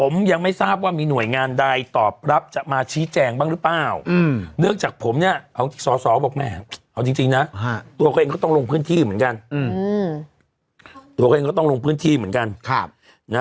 จริงนะตัวเค้าเองก็ต้องลงพื้นที่เหมือนกัน